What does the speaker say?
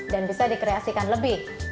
dan bisa dikreasikan lebih